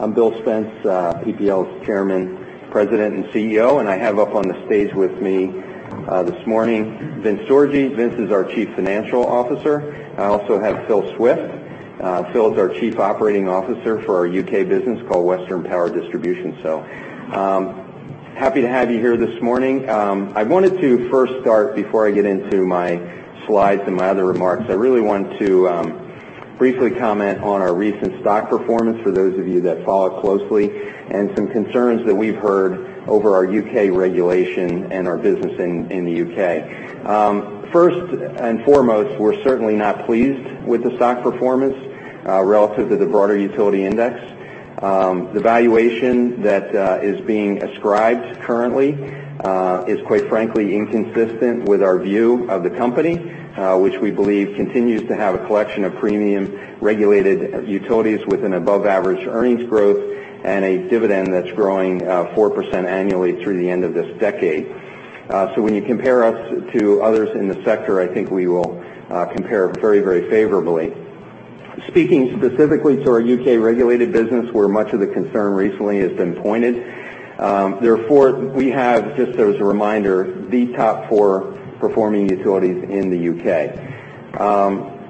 I'm Bill Spence, PPL's Chairman, President, and CEO. I have up on the stage with me this morning Vince Sorgi. Vince is our Chief Financial Officer. I also have Phil Swift. Phil is our Chief Operating Officer for our U.K. business called Western Power Distribution. Happy to have you here this morning. I wanted to first start, before I get into my slides and my other remarks, I really want to briefly comment on our recent stock performance for those of you that follow it closely, and some concerns that we've heard over our U.K. regulation and our business in the U.K. First and foremost, we're certainly not pleased with the stock performance relative to the broader utility index. The valuation that is being ascribed currently is, quite frankly, inconsistent with our view of the company, which we believe continues to have a collection of premium regulated utilities with an above-average earnings growth and a dividend that's growing 4% annually through the end of this decade. When you compare us to others in the sector, I think we will compare very, very favorably. Speaking specifically to our U.K. regulated business, where much of the concern recently has been pointed, therefore, we have, just as a reminder, the top four performing utilities in the U.K.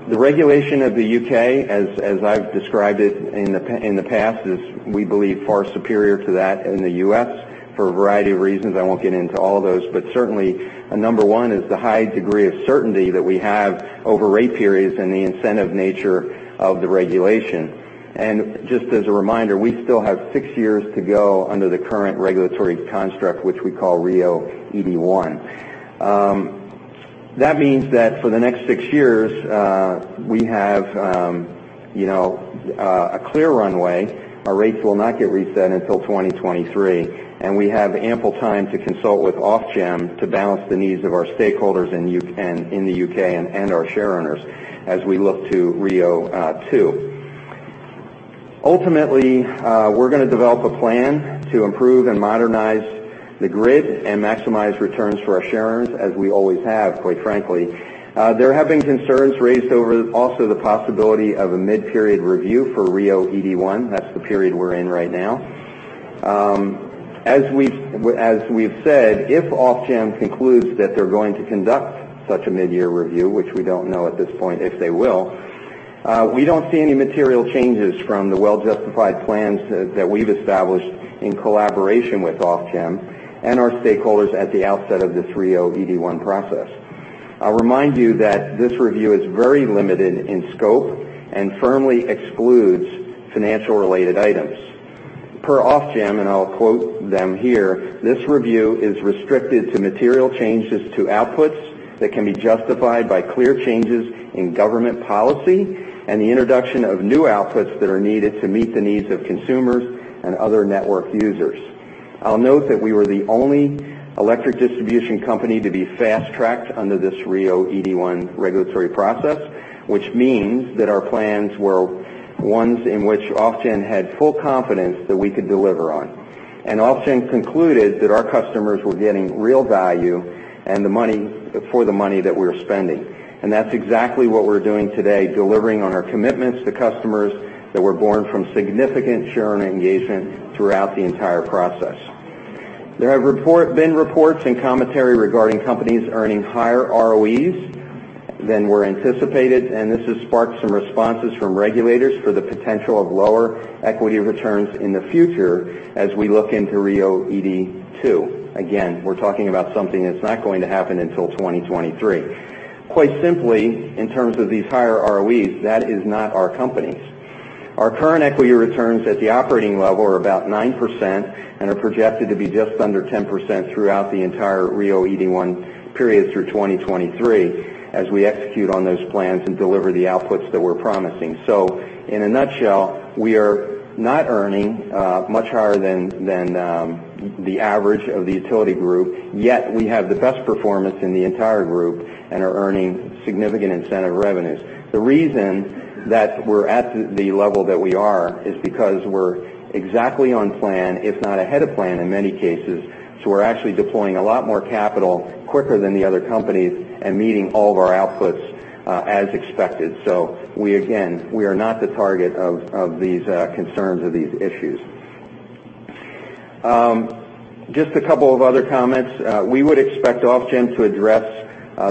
The regulation of the U.K., as I've described it in the past, is, we believe, far superior to that in the U.S. for a variety of reasons. I won't get into all of those, but certainly, number 1 is the high degree of certainty that we have over rate periods and the incentive nature of the regulation. Just as a reminder, we still have 6 years to go under the current regulatory construct, which we call RIIO-ED1. That means that for the next 6 years, we have a clear runway. Our rates will not get reset until 2023, and we have ample time to consult with Ofgem to balance the needs of our stakeholders in the U.K. and our shareowners as we look to RIIO-ED2. Ultimately, we're going to develop a plan to improve and modernize the grid and maximize returns for our shareowners, as we always have, quite frankly. There have been concerns raised over also the possibility of a mid-period review for RIIO-ED1. That's the period we're in right now. As we've said, if Ofgem concludes that they're going to conduct such a mid-period review, which we don't know at this point if they will, we don't see any material changes from the well-justified plans that we've established in collaboration with Ofgem and our stakeholders at the outset of this RIIO-ED1 process. I'll remind you that this review is very limited in scope and firmly excludes financial-related items. Per Ofgem, and I'll quote them here, "This review is restricted to material changes to outputs that can be justified by clear changes in government policy and the introduction of new outputs that are needed to meet the needs of consumers and other network users." I'll note that we were the only electric distribution company to be fast-tracked under this RIIO-ED1 regulatory process, which means that our plans were ones in which Ofgem had full confidence that we could deliver on, and Ofgem concluded that our customers were getting real value for the money that we were spending. That's exactly what we're doing today, delivering on our commitments to customers that were born from significant shareowner engagement throughout the entire process. There have been reports and commentary regarding companies earning higher ROEs than were anticipated, and this has sparked some responses from regulators for the potential of lower equity returns in the future as we look into RIIO-ED2. We're talking about something that's not going to happen until 2023. Quite simply, in terms of these higher ROEs, that is not our company's. Our current equity returns at the operating level are about 9% and are projected to be just under 10% throughout the entire RIIO-ED1 period through 2023 as we execute on those plans and deliver the outputs that we're promising. In a nutshell, we are not earning much higher than the average of the utility group, yet we have the best performance in the entire group and are earning significant incentive revenues. The reason that we're at the level that we are is because we're exactly on plan, if not ahead of plan in many cases. We're actually deploying a lot more capital quicker than the other companies and meeting all of our outputs as expected. We are not the target of these concerns or these issues. Just a couple of other comments. We would expect Ofgem to address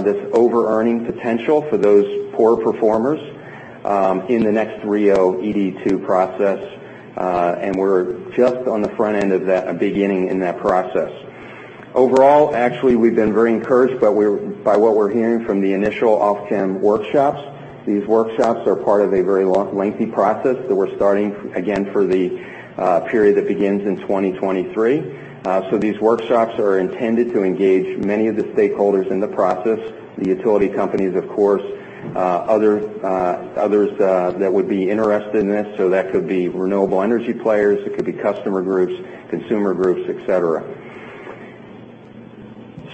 this over-earning potential for those poor performers in the next RIIO-ED2 process, and we're just on the front end of beginning in that process. Overall, actually, we've been very encouraged by what we're hearing from the initial Ofgem workshops. These workshops are part of a very lengthy process that we're starting, again, for the period that begins in 2023. These workshops are intended to engage many of the stakeholders in the process, the utility companies, of course, others that would be interested in this. That could be renewable energy players, it could be customer groups, consumer groups, et cetera.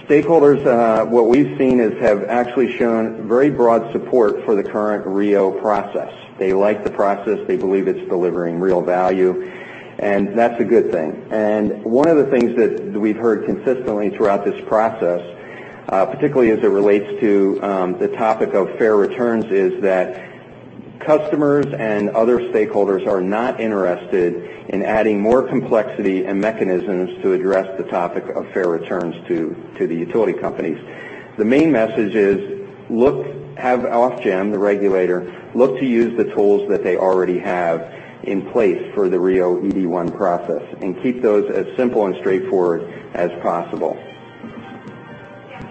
Stakeholders, what we've seen, have actually shown very broad support for the current RIIO process. They like the process. They believe it's delivering real value, and that's a good thing. One of the things that we've heard consistently throughout this process particularly as it relates to the topic of fair returns is that customers and other stakeholders are not interested in adding more complexity and mechanisms to address the topic of fair returns to the utility companies. The main message is have Ofgem, the regulator, look to use the tools that they already have in place for the RIIO-ED1 process and keep those as simple and straightforward as possible.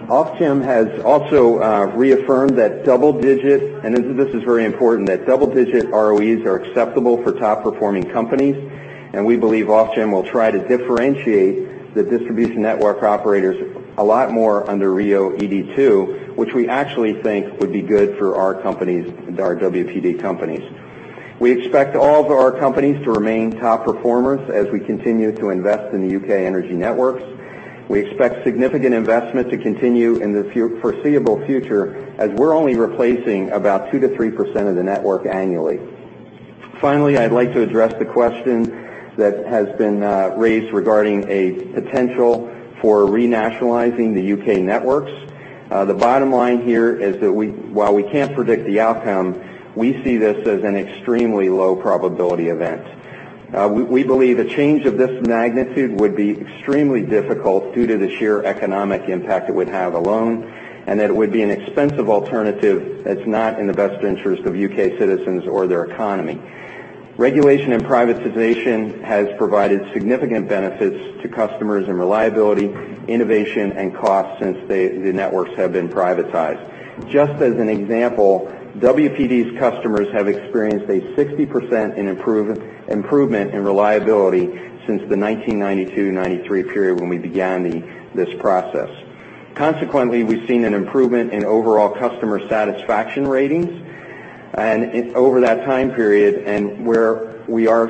Ofgem has also reaffirmed, and this is very important, that double-digit ROEs are acceptable for top-performing companies, and we believe Ofgem will try to differentiate the distribution network operators a lot more under RIIO-ED2, which we actually think would be good for our WPD companies. We expect all of our companies to remain top performers as we continue to invest in the U.K. energy networks. We expect significant investment to continue in the foreseeable future, as we're only replacing about 2%-3% of the network annually. Finally, I'd like to address the question that has been raised regarding a potential for re-nationalizing the U.K. networks. The bottom line here is that while we can't predict the outcome, we see this as an extremely low probability event. We believe a change of this magnitude would be extremely difficult due to the sheer economic impact it would have alone, and that it would be an expensive alternative that's not in the best interest of U.K. citizens or their economy. Regulation and privatization has provided significant benefits to customers in reliability, innovation, and cost since the networks have been privatized. Just as an example, WPD's customers have experienced a 60% improvement in reliability since the 1992-93 period when we began this process. Consequently, we've seen an improvement in overall customer satisfaction ratings over that time period. Where we are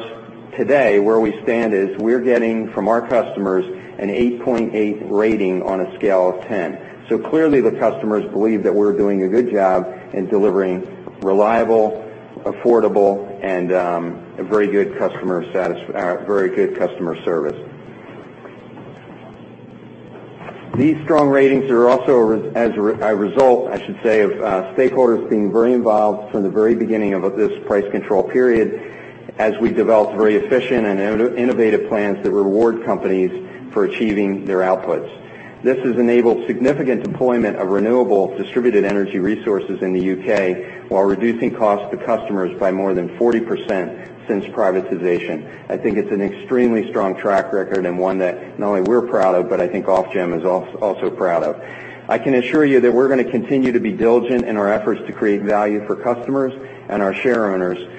today, where we stand is we're getting from our customers an 8.8 rating on a scale of 10. Clearly, the customers believe that we're doing a good job in delivering reliable, affordable, and very good customer service. These strong ratings are also as a result, I should say, of stakeholders being very involved from the very beginning of this price control period, as we developed very efficient and innovative plans that reward companies for achieving their outputs. This has enabled significant deployment of renewable distributed energy resources in the U.K. while reducing costs to customers by more than 40% since privatization. I think it's an extremely strong track record and one that not only we're proud of, but I think Ofgem is also proud of. I can assure you that we're going to continue to be diligent in our efforts to create value for customers and our shareowners.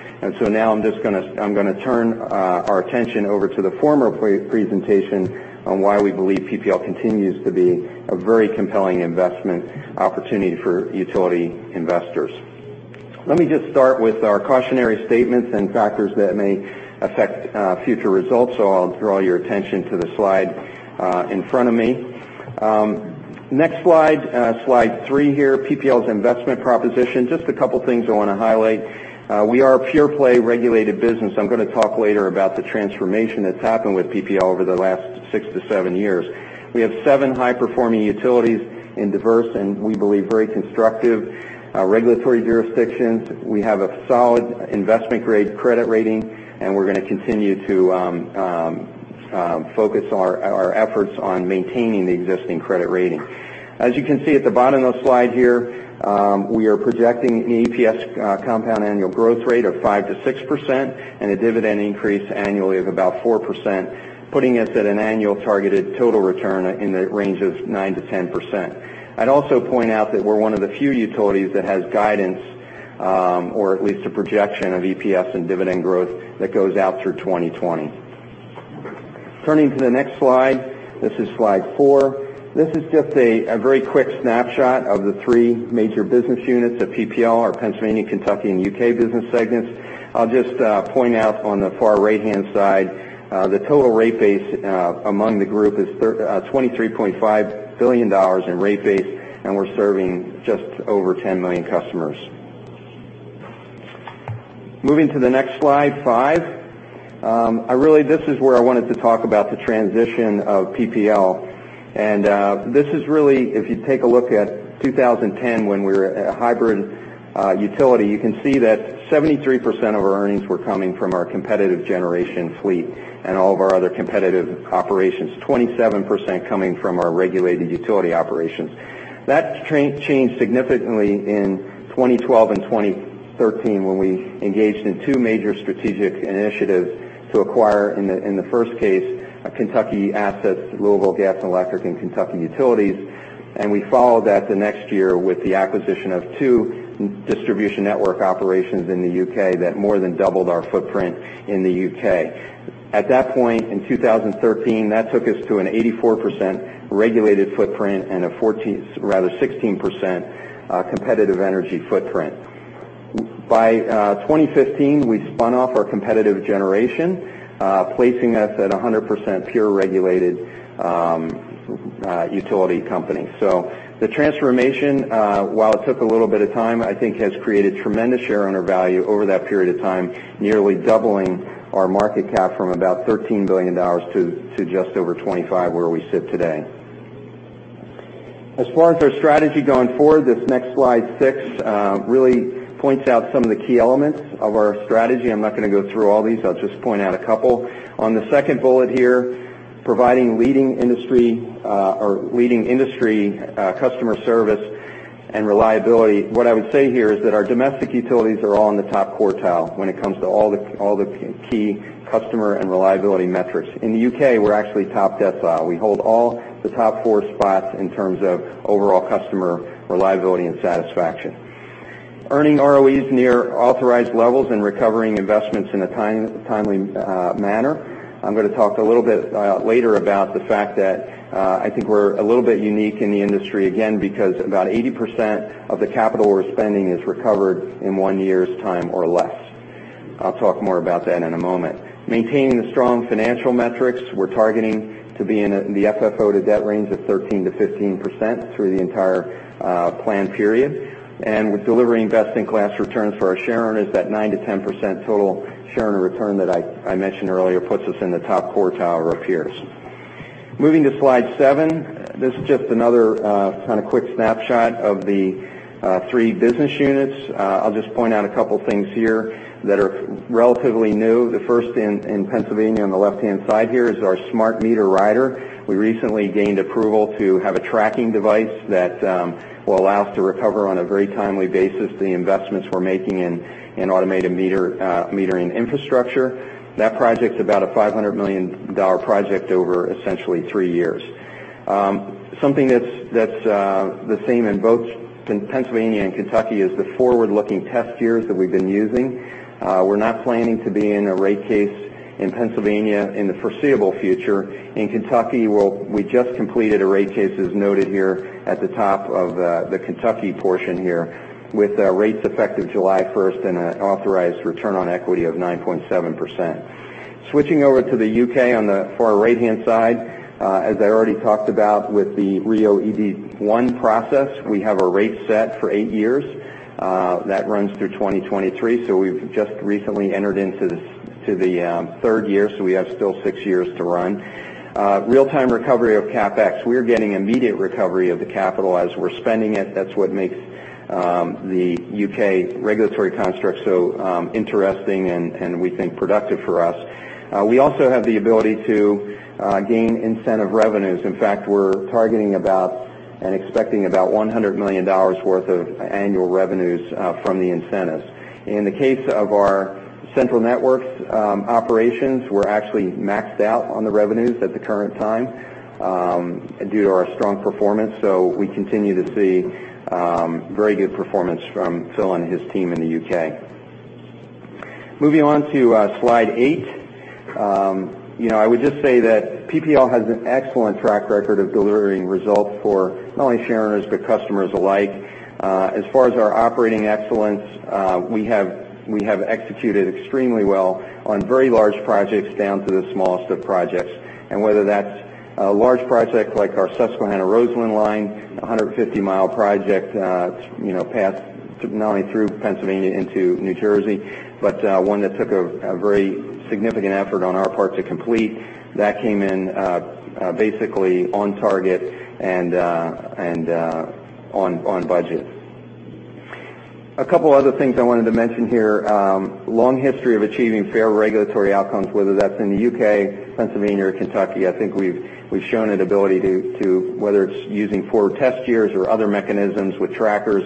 Now I'm going to turn our attention over to the formal presentation on why we believe PPL continues to be a very compelling investment opportunity for utility investors. Let me just start with our cautionary statements and factors that may affect future results. I'll draw your attention to the slide in front of me. Next slide three here, PPL's investment proposition. Just a couple of things I want to highlight. We are a pure-play regulated business. I'm going to talk later about the transformation that's happened with PPL over the last six-seven years. We have seven high-performing utilities in diverse, and we believe, very constructive regulatory jurisdictions. We have a solid investment-grade credit rating, and we're going to continue to focus our efforts on maintaining the existing credit rating. As you can see at the bottom of the slide here, we are projecting an EPS compound annual growth rate of 5%-6% and a dividend increase annually of about 4%, putting us at an annual targeted total return in the range of 9%-10%. I'd also point out that we're one of the few utilities that has guidance, or at least a projection of EPS and dividend growth that goes out through 2020. Turning to the next slide. This is slide four. This is just a very quick snapshot of the three major business units of PPL, our Pennsylvania, Kentucky, and U.K. business segments. I'll just point out on the far right-hand side, the total rate base among the group is $23.5 billion in rate base, and we're serving just over 10 million customers. Moving to the next slide, five. This is where I wanted to talk about the transition of PPL. This is really, if you take a look at 2010, when we were a hybrid utility, you can see that 73% of our earnings were coming from our competitive generation fleet and all of our other competitive operations, 27% coming from our regulated utility operations. That changed significantly in 2012 and 2013 when we engaged in two major strategic initiatives to acquire, in the first case, Kentucky assets, Louisville Gas & Electric, and Kentucky Utilities. We followed that the next year with the acquisition of two distribution network operations in the U.K. that more than doubled our footprint in the U.K. At that point, in 2013, that took us to an 84% regulated footprint and a 16% competitive energy footprint. By 2015, we spun off our competitive generation, placing us at 100% pure regulated utility company. The transformation, while it took a little bit of time, I think has created tremendous shareowner value over that period of time, nearly doubling our market cap from about $13 billion to just over $25 billion, where we sit today. As far as our strategy going forward, this next slide, six, really points out some of the key elements of our strategy. I'm not going to go through all these. I'll just point out a couple. On the second bullet here, providing leading industry customer service and reliability. What I would say here is that our domestic utilities are all in the top quartile when it comes to all the key customer and reliability metrics. In the U.K., we're actually top decile. We hold all the top four spots in terms of overall customer reliability and satisfaction. Earning ROEs near authorized levels and recovering investments in a timely manner. I'm going to talk a little bit later about the fact that I think we're a little bit unique in the industry, again, because about 80% of the capital we're spending is recovered in one year's time or less. I'll talk more about that in a moment. Maintaining the strong financial metrics. We're targeting to be in the FFO to debt range of 13%-15% through the entire plan period. With delivering best-in-class returns for our shareowners, that 9%-10% total shareowner return that I mentioned earlier puts us in the top quartile or appears. Moving to slide seven. This is just another quick snapshot of the three business units. I'll just point out a couple things here that are relatively new. The first in Pennsylvania on the left-hand side here is our smart meter rider. We recently gained approval to have a tracking device that will allow us to recover on a very timely basis the investments we're making in automated metering infrastructure. That project's about a $500 million project over essentially three years. Something that's the same in both Pennsylvania and Kentucky is the forward-looking test years that we've been using. We're not planning to be in a rate case in Pennsylvania in the foreseeable future. In Kentucky, we just completed a rate case, as noted here at the top of the Kentucky portion here, with rates effective July 1st and an authorized return on equity of 9.7%. Switching over to the U.K. on the far right-hand side. As I already talked about with the RIIO-ED1 process, we have a rate set for eight years. That runs through 2023, we've just recently entered into the third year, so we have still six years to run. Real-time recovery of CapEx. We're getting immediate recovery of the capital as we're spending it. That's what makes the U.K. regulatory construct so interesting and we think productive for us. We also have the ability to gain incentive revenues. In fact, we're targeting about and expecting about $100 million worth of annual revenues from the incentives. In the case of our central networks operations, we're actually maxed out on the revenues at the current time due to our strong performance. We continue to see very good performance from Phil and his team in the U.K. Moving on to slide eight. I would just say that PPL has an excellent track record of delivering results for not only shareowners, but customers alike. As far as our operating excellence, we have executed extremely well on very large projects down to the smallest of projects. Whether that's a large project like our Susquehanna-Roseland line, 150-mile project, passed not only through Pennsylvania into New Jersey, but one that took a very significant effort on our part to complete. That came in basically on target and on budget. A couple other things I wanted to mention here. Long history of achieving fair regulatory outcomes, whether that's in the U.K., Pennsylvania, or Kentucky. I think we've shown an ability to, whether it's using forward test years or other mechanisms with trackers,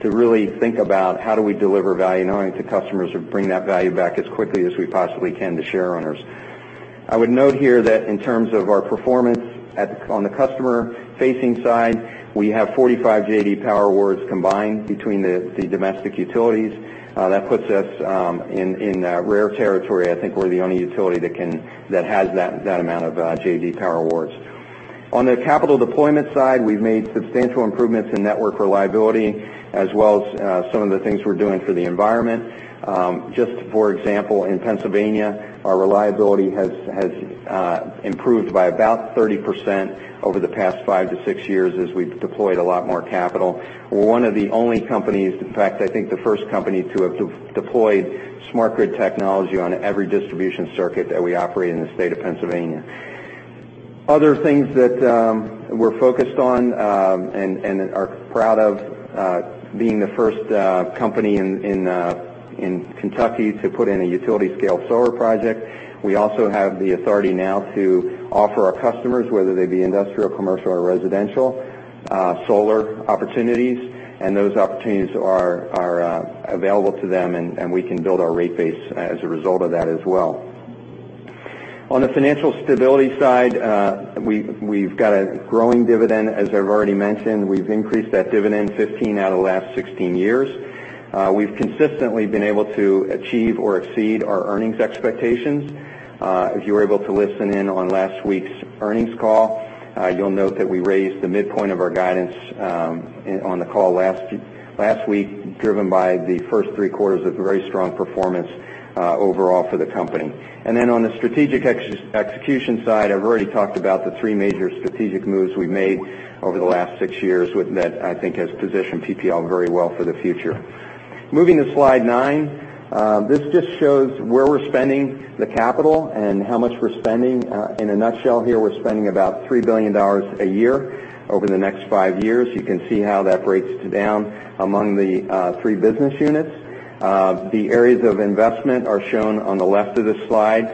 to really think about how do we deliver value not only to customers or bring that value back as quickly as we possibly can to shareowners. I would note here that in terms of our performance on the customer-facing side, we have 45 J.D. Power Awards combined between the domestic utilities. That puts us in rare territory. I think we're the only utility that has that amount of J.D. Power Awards. On the capital deployment side, we've made substantial improvements in network reliability as well as some of the things we're doing for the environment. Just for example, in Pennsylvania, our reliability has improved by about 30% over the past five to six years as we've deployed a lot more capital. We're one of the only companies, in fact, I think the first company to have deployed smart grid technology on every distribution circuit that we operate in the state of Pennsylvania. Other things that we're focused on and are proud of, being the first company in Kentucky to put in a utility-scale solar project. We also have the authority now to offer our customers, whether they be industrial, commercial, or residential, solar opportunities. Those opportunities are available to them, and we can build our rate base as a result of that as well. On the financial stability side, we've got a growing dividend. As I've already mentioned, we've increased that dividend 15 out of the last 16 years. We've consistently been able to achieve or exceed our earnings expectations. If you were able to listen in on last week's earnings call, you'll note that we raised the midpoint of our guidance on the call last week, driven by the first three quarters of very strong performance overall for the company. On the strategic execution side, I've already talked about the three major strategic moves we've made over the last six years that I think has positioned PPL very well for the future. Moving to slide nine. This just shows where we're spending the capital and how much we're spending. In a nutshell here, we're spending about $3 billion a year over the next five years. You can see how that breaks down among the three business units. The areas of investment are shown on the left of this slide.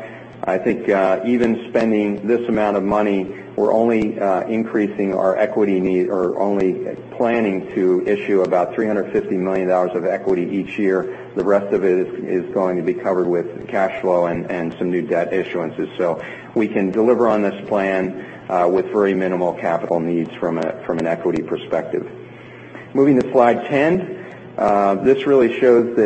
I think even spending this amount of money, we're only increasing our equity need, or only planning to issue about $350 million of equity each year. The rest of it is going to be covered with cash flow and some new debt issuances. We can deliver on this plan with very minimal capital needs from an equity perspective. Moving to slide 10. This really shows,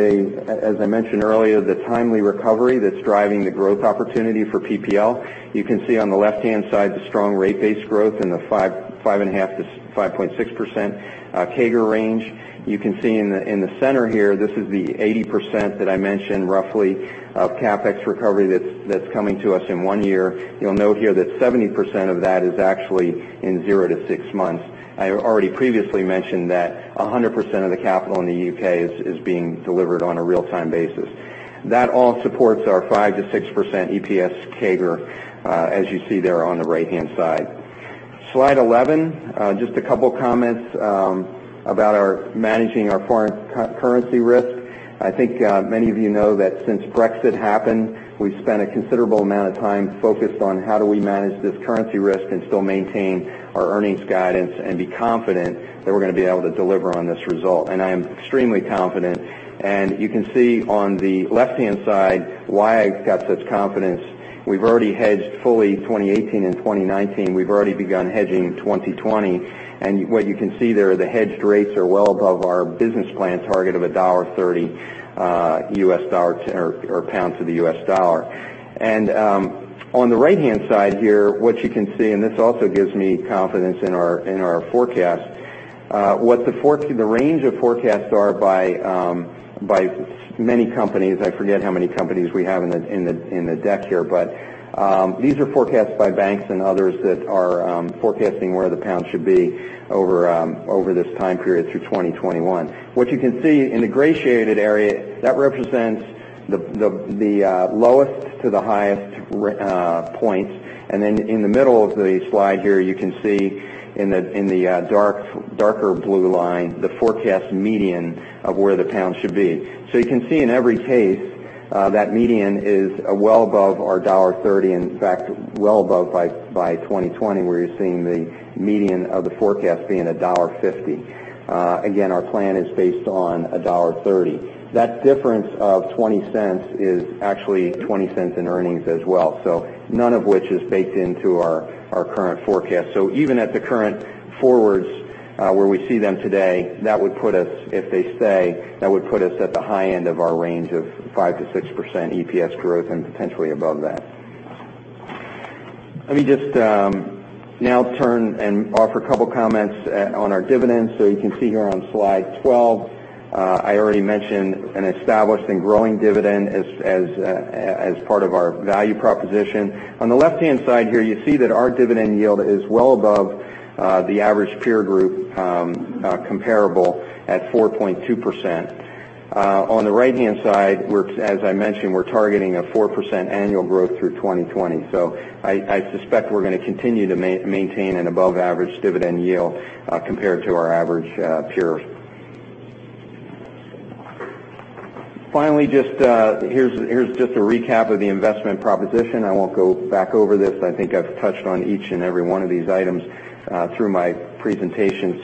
as I mentioned earlier, the timely recovery that's driving the growth opportunity for PPL. You can see on the left-hand side, the strong rate base growth in the 5.5%-5.6% CAGR range. You can see in the center here, this is the 80% that I mentioned roughly of CapEx recovery that's coming to us in one year. You'll note here that 70% of that is actually in zero to six months. I already previously mentioned that 100% of the capital in the U.K. is being delivered on a real-time basis. That all supports our 5%-6% EPS CAGR, as you see there on the right-hand side. Slide 11, just a couple of comments about our managing our foreign currency risk. I think many of you know that since Brexit happened, we've spent a considerable amount of time focused on how do we manage this currency risk and still maintain our earnings guidance and be confident that we're going to be able to deliver on this result. I am extremely confident. You can see on the left-hand side why I've got such confidence. We've already hedged fully 2018 and 2019. We've already begun hedging in 2020. What you can see there are the hedged rates are well above our business plan target of GBP 1.30 to the US dollar. On the right-hand side here, what you can see, and this also gives me confidence in our forecast. What the range of forecasts are by many companies, I forget how many companies we have in the deck here, but these are forecasts by banks and others that are forecasting where the pound should be over this time period through 2021. What you can see in the gradiated area, that represents the lowest to the highest points. In the middle of the slide here, you can see in the darker blue line, the forecast median of where the pound should be. You can see in every case, that median is well above our $1.30, and in fact, well above by 2020, where you're seeing the median of the forecast being $1.50. Again, our plan is based on $1.30. That difference of $0.20 is actually $0.20 in earnings as well. None of which is baked into our current forecast. Even at the current forwards, where we see them today, if they stay, that would put us at the high end of our range of 5%-6% EPS growth, and potentially above that. Let me just now turn and offer a couple of comments on our dividends. You can see here on slide 12, I already mentioned an established and growing dividend as part of our value proposition. On the left-hand side here, you see that our dividend yield is well above the average peer group comparable at 4.2%. On the right-hand side, as I mentioned, we're targeting a 4% annual growth through 2020. I suspect we're going to continue to maintain an above-average dividend yield compared to our average peer. Finally, here's just a recap of the investment proposition. I won't go back over this. I think I've touched on each and every one of these items through my presentation.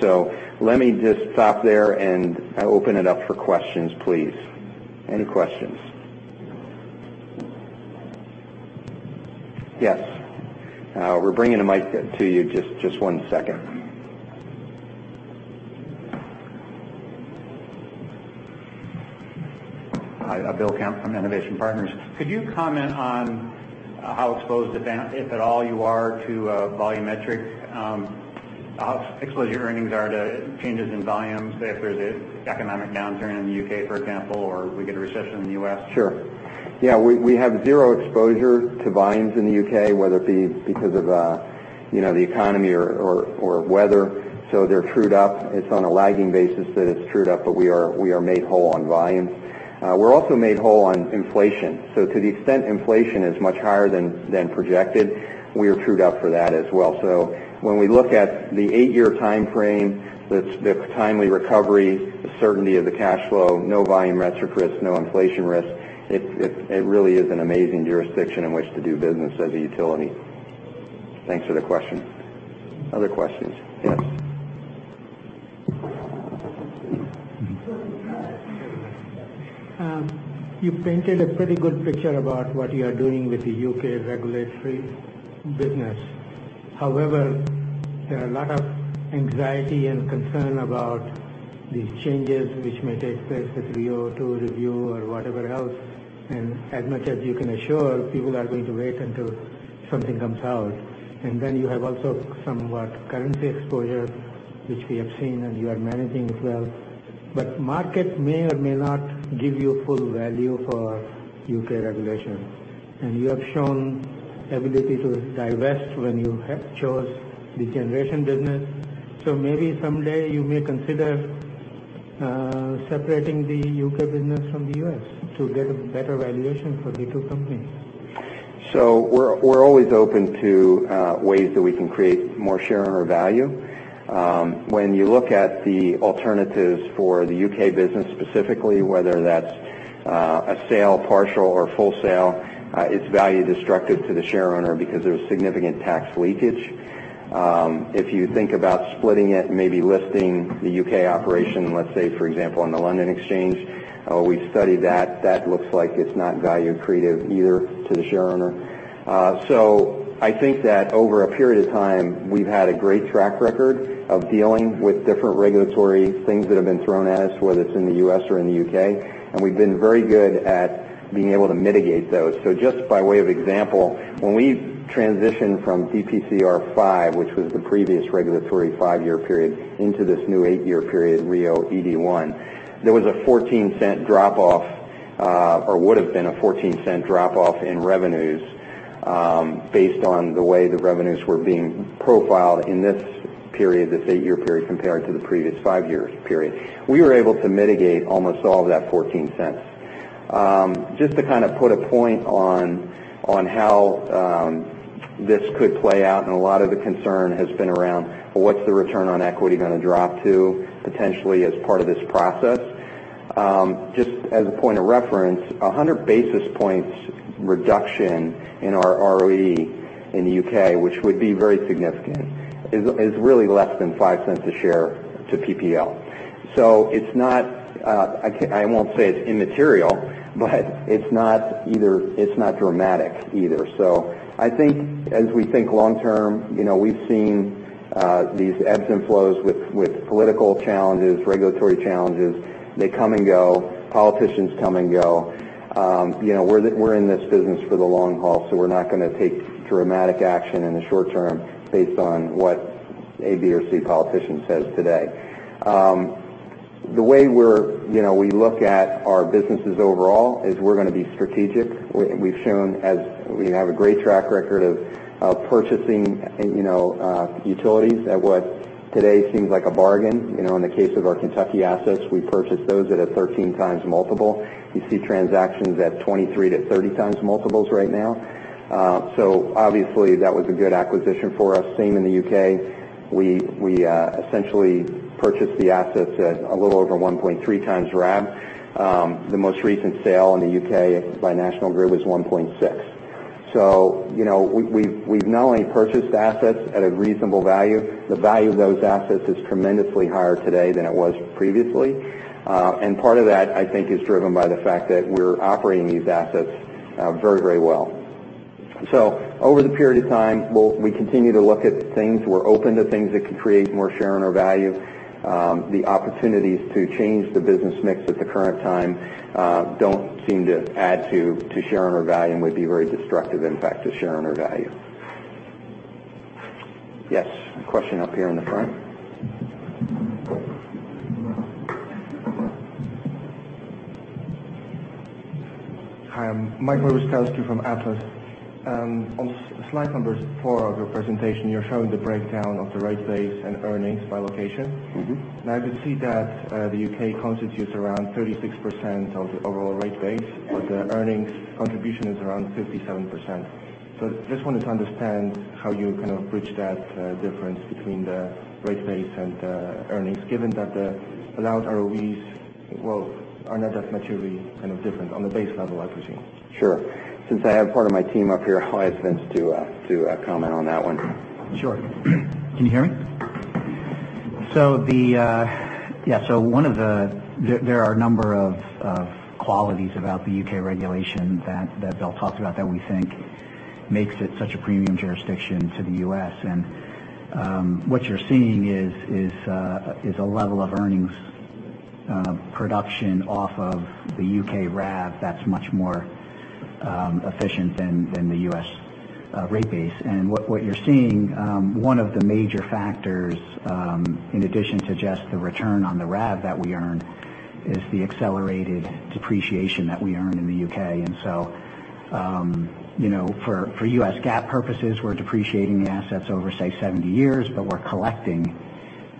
Let me just stop there, and I open it up for questions, please. Any questions? Yes. We're bringing a mic to you. Just one second. Hi, William Kemp from Enovation Partners. Could you comment on how exposed, if at all, you are to volumetric, how exposed your earnings are to changes in volumes if there's an economic downturn in the U.K., for example, or if we get a recession in the U.S.? Sure. Yeah, we have zero exposure to volumes in the U.K., whether it be because of the economy or weather. They're trued up. It's on a lagging basis that it's trued up, but we are made whole on volumes. We're also made whole on inflation. To the extent inflation is much higher than projected, we are trued up for that as well. When we look at the eight-year timeframe, the timely recovery, the certainty of the cash flow, no volume retro risk, no inflation risk, it really is an amazing jurisdiction in which to do business as a utility. Thanks for the question. Other questions? Yes. You painted a pretty good picture about what you are doing with the U.K. regulatory business. However, there are a lot of anxiety and concern about these changes which may take place with the review or whatever else. As much as you can assure, people are going to wait until something comes out. Then you have also somewhat currency exposure, which we have seen, and you are managing as well. Market may or may not give you full value for U.K. regulation. You have shown ability to divest when you have chose the generation business. Maybe someday you may consider separating the U.K. business from the U.S. to get a better valuation for the two companies. We're always open to ways that we can create more shareowner value. When you look at the alternatives for the U.K. business, specifically, whether that's a sale partial or full sale, it's value destructive to the shareowner because there's significant tax leakage. If you think about splitting it, maybe listing the U.K. operation, let's say, for example, on the London Exchange, we studied that. That looks like it's not value accretive either to the shareowner. I think that over a period of time, we've had a great track record of dealing with different regulatory things that have been thrown at us, whether it's in the U.S. or in the U.K., and we've been very good at being able to mitigate those. Just by way of example, when we transitioned from DPCR5, which was the previous regulatory five-year period, into this new eight-year period, RIIO-ED1, there was a $0.14 drop-off, or would've been a $0.14 drop-off in revenues, based on the way the revenues were being profiled in this period, this eight-year period, compared to the previous five-year period. We were able to mitigate almost all of that $0.14. Just to kind of put a point on how this could play out, and a lot of the concern has been around, well, what's the return on equity going to drop to potentially as part of this process? Just as a point of reference, 100 basis points reduction in our ROE in the U.K., which would be very significant, is really less than $0.05 a share to PPL. I won't say it's immaterial, but it's not dramatic either. I think as we think long term, we've seen these ebbs and flows with political challenges, regulatory challenges. They come and go. Politicians come and go. We're in this business for the long haul, we're not going to take dramatic action in the short term based on what A, B, or C politician says today. The way we look at our businesses overall is we're going to be strategic. We have a great track record of purchasing utilities at what today seems like a bargain. In the case of our Kentucky assets, we purchased those at a 13x multiple. You see transactions at 23x-30x multiples right now. Obviously that was a good acquisition for us. Same in the U.K. We essentially purchased the assets at a little over 1.3x RAB. The most recent sale in the U.K. by National Grid was 1.6x. We've not only purchased assets at a reasonable value, the value of those assets is tremendously higher today than it was previously. Part of that, I think, is driven by the fact that we're operating these assets very well. Over the period of time, we continue to look at things. We're open to things that can create more shareowner value. The opportunities to change the business mix at the current time don't seem to add to shareowner value and would be very destructive, in fact, to shareowner value. Yes. A question up here in the front. Hi, I'm Mike Roystelsk from Atlas. On slide number four of your presentation, you're showing the breakdown of the rate base and earnings by location. I could see that the U.K. constitutes around 36% of the overall rate base, but the earnings contribution is around 57%. Just wanted to understand how you kind of bridge that difference between the rate base and the earnings, given that the allowed ROEs, well, are not that materially different on the base level, I presume. Sure. Since I have part of my team up here, I'll ask Vince to comment on that one. Sure. Can you hear me? What you're seeing is a level of earnings production off of the U.K. RAB that's much more efficient than the U.S. rate base. What you're seeing, one of the major factors, in addition to just the return on the RAB that we earn is the accelerated depreciation that we earn in the U.K. For U.S. GAAP purposes, we're depreciating the assets over, say, 70 years, but we're collecting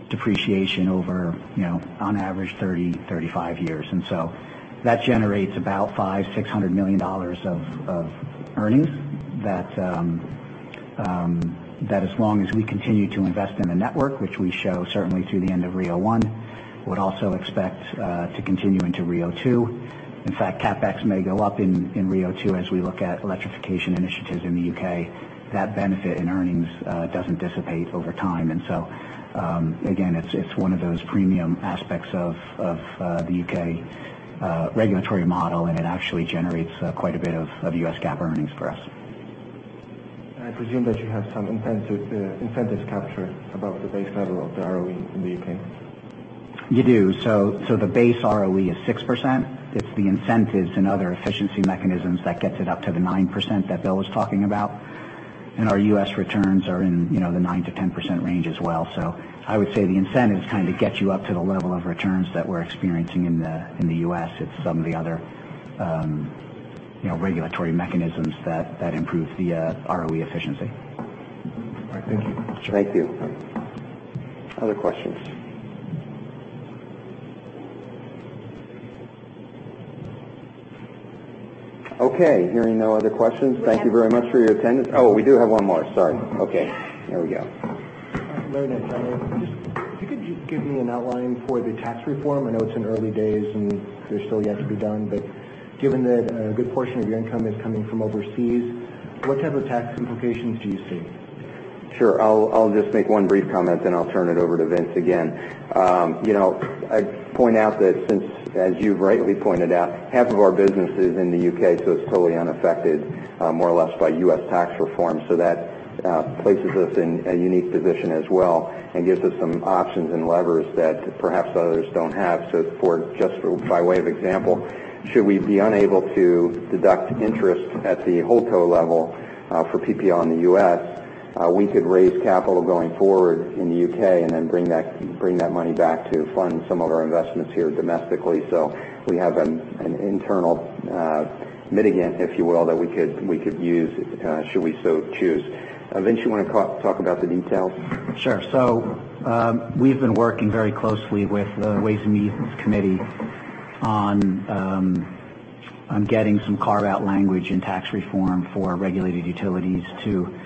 depreciation over on average 30, 35 years. That generates about $500 million-$600 million of earnings that as long as we continue to invest in the network, which we show certainly through the end of RIIO 1, would also expect to continue into RIIO 2. In fact, CapEx may go up in RIIO 2 as we look at electrification initiatives in the U.K. That benefit in earnings doesn't dissipate over time. Again, it's one of those premium aspects of the U.K. regulatory model, and it actually generates quite a bit of U.S. GAAP earnings for us. I presume that you have some incentives captured above the base level of the ROE in the U.K. You do. The base ROE is 6%. It's the incentives and other efficiency mechanisms that gets it up to the 9% that Bill was talking about. Our U.S. returns are in the 9%-10% range as well. I would say the incentive is to get you up to the level of returns that we're experiencing in the U.S. It's some of the other regulatory mechanisms that improve the ROE efficiency. All right. Thank you. Thank you. Other questions? Hearing no other questions, thank you very much for your attendance. We do have one more. Sorry. Here we go. Very nice. If you could just give me an outline for the tax reform. I know it's in early days, and there's still yet to be done, but given that a good portion of your income is coming from overseas, what type of tax implications do you see? Sure. I'll just make one brief comment, then I'll turn it over to Vince again. I'd point out that since, as you've rightly pointed out, half of our business is in the U.K., so it's totally unaffected more or less by U.S. tax reform. That places us in a unique position as well and gives us some options and levers that perhaps others don't have. For, just by way of example, should we be unable to deduct interest at the holdco level for PPL in the U.S., we could raise capital going forward in the U.K. and then bring that money back to fund some of our investments here domestically. We have an internal mitigant, if you will, that we could use should we so choose. Vince, you want to talk about the details? Sure. We've been working very closely with the Ways and Means Committee on getting some carve-out language and tax reform for regulated utilities to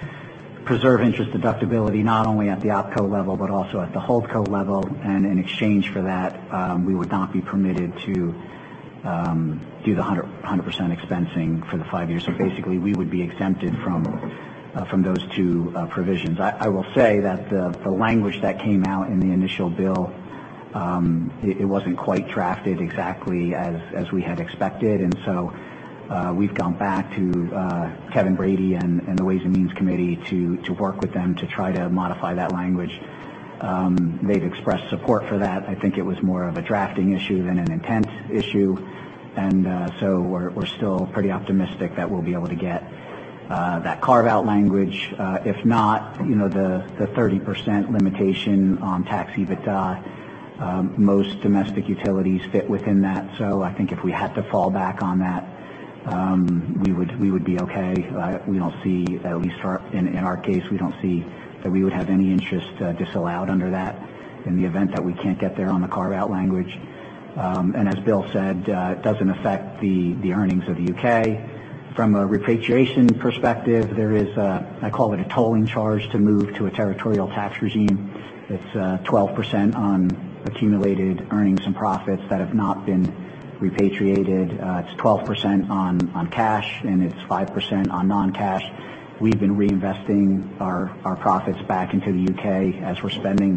preserve interest deductibility, not only at the opco level but also at the holdco level. In exchange for that, we would not be permitted to do the 100% expensing for the five years. Basically, we would be exempted from those two provisions. I will say that the language that came out in the initial bill, it wasn't quite drafted exactly as we had expected. We've gone back to Kevin Brady and the Ways and Means Committee to work with them to try to modify that language. They've expressed support for that. I think it was more of a drafting issue than an intent issue. We're still pretty optimistic that we'll be able to get that carve-out language. If not, the 30% limitation on tax EBITDA, most domestic utilities fit within that. I think if we had to fall back on that, we would be okay. At least in our case, we don't see that we would have any interest disallowed under that in the event that we can't get there on the carve-out language. As Bill said, it doesn't affect the earnings of the U.K. From a repatriation perspective, there is a, I call it a tolling charge to move to a territorial tax regime. It's 12% on accumulated earnings and profits that have not been repatriated. It's 12% on cash, and it's 5% on non-cash. We've been reinvesting our profits back into the U.K. as we're spending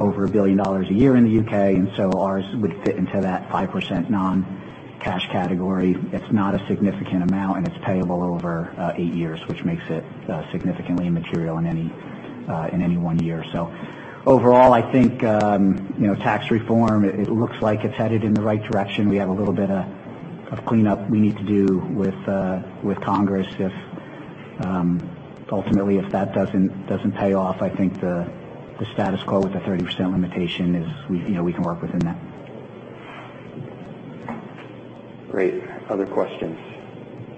over $1 billion a year in the U.K., ours would fit into that 5% non-cash category. It's not a significant amount, and it's payable over eight years, which makes it significantly immaterial in any one year. Overall, I think, tax reform, it looks like it's headed in the right direction. We have a little bit of cleanup we need to do with Congress. Ultimately, if that doesn't pay off, I think the status quo with the 30% limitation is we can work within that. Great. Other questions?